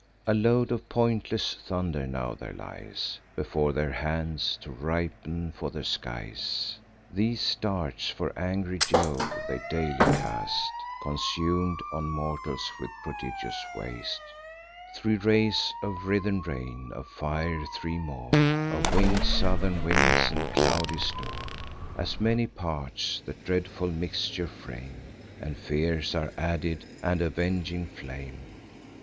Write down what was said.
A load of pointless thunder now there lies Before their hands, to ripen for the skies: These darts, for angry Jove, they daily cast; Consum'd on mortals with prodigious waste. Three rays of writhen rain, of fire three more, Of winged southern winds and cloudy store As many parts, the dreadful mixture frame; And fears are added, and avenging flame.